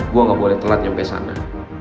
gue gak boleh telat sampai sana